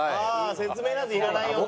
説明なんていらないよっていう。